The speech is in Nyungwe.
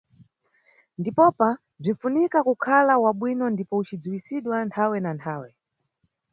Ndipopa bzinʼfunika kukhala wabwino ndipo ucidziwisidwa nthawe na nthawe.